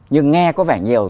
nhưng nghe có vẻ nhiều